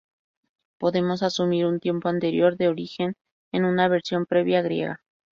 Podemos asumir un tiempo anterior de origen, en una versión previa griega.